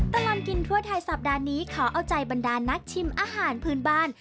ตลอดกินทั่วไทยสัปดาห์นี้ขอเอาใจบรรดานักชิมอาหารพื้นบ้าน